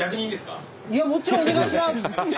いやもちろんお願いします！